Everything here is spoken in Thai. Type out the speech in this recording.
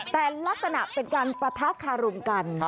แต่ลักษณะเป็นการปะทะคารมกัน